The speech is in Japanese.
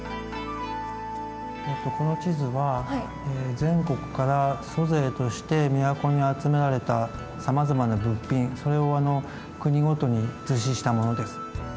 この地図は全国から租税として都に集められたさまざまな物品それを国ごとに図示したものです。